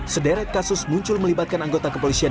sederet kasus muncul melibatkan anggota kepolisian